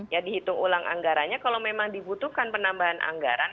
ya dihitung ulang anggarannya kalau memang dibutuhkan penambahan anggaran